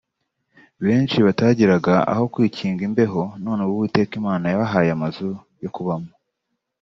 Benshi batagiraga aho kwikinga imbeho none ubu Uwiteka Imana yabahaye amazu yo kubamo